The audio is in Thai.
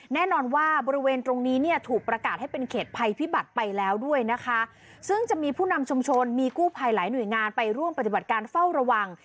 แน่นอนว่าบริเวณตรงนี้เนี่ยถูกประกาศให้เป็นเขตภัยพิบัติไปแล้วด้วยนะคะซึ่งจะมีผู้นำชุมชนมีกู้ภัยหลายหน่วยงานไปร่วมปฏิบัติการเฝ้าระวัง